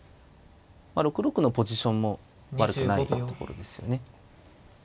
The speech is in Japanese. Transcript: ６六のポジションも悪くないところですよね。